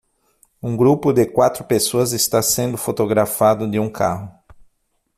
Um grupo de quatro pessoas está sendo fotografado de um carro.